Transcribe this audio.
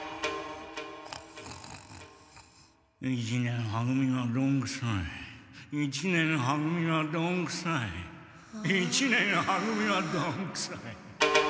一年は組はどんくさい一年は組はどんくさい一年は組はどんくさい。